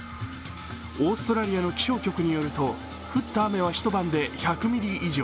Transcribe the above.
オーストラリアの気象局によると、降った雨は一晩で１００ミリ以上。